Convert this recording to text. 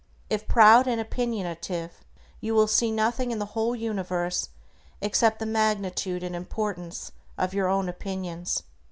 If proud and opinionative, you will see nothing in the whole universe except the magnitude and importance of your own opinions.